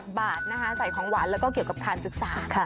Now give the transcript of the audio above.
บาทนะคะใส่ของหวานแล้วก็เกี่ยวกับการศึกษา